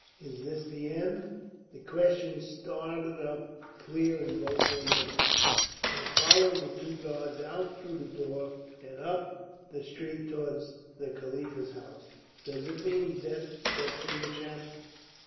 Is this the end?" The questions started up clear in both their minds. They followed the two guards out through the door and up the street towards the Khalifa's house. "Does it mean death?" said Feversham.